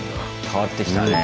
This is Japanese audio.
変わってきたね。